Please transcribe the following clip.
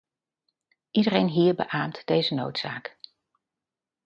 Iedereen hier beaamt deze noodzaak.